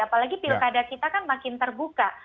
apalagi pilkada kita kan makin terbuka